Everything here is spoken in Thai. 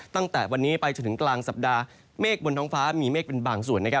ตั้งแต่วันนี้ไปจนถึงกลางสัปดาห์เมฆบนท้องฟ้ามีเมฆเป็นบางส่วน